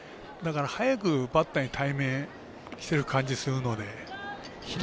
早くバッターに対面している感じするので。